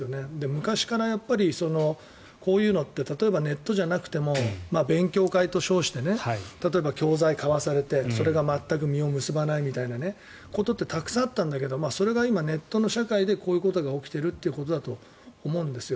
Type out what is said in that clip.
昔からこういうのって例えばネットじゃなくても勉強会と称して例えば教材を買わされてそれが全く実を結ばないみたいなことってたくさんあったんだけどそれが今、ネットの社会でこういうことが起きているということだと思うんです。